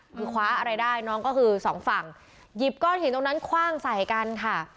คือคว้าอะไรได้น้องก็คือสองฝั่งหยิบก้อนหินตรงนั้นคว่างใส่กันค่ะ